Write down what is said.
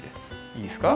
いいですか？